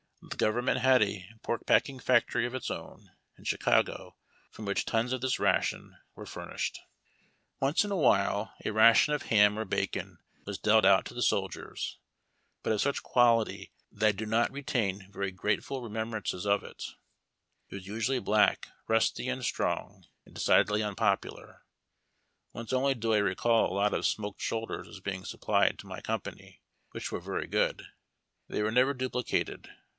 The government had a pork packing factory of its own in Chicago, from which tons of tins ration were furnished. 136 UAUD TACK AND COFFEE. Once ill a while a ration of liain or bacon was dealt out to the soldiers, but of such quality that I do not retain very grateful renienibrances of it. It was usually black, rusty, and strong, and decidedly un[)opiilar. Once only do I recall a lot of smoked shoulders as being supplied to my company, which were very good. They were never duplicated.